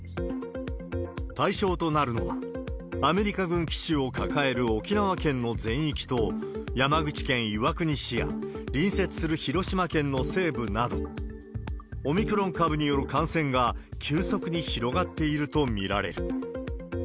対象となるのは、アメリカ軍基地を抱える沖縄県の全域と、山口県岩国市や隣接する広島県の西部など、オミクロン株による感染が急速に広がっていると見られる。